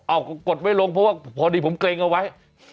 อ้าวคนกดไม่ลงเพราะพอดีผมเปลี่ยงเอาไว้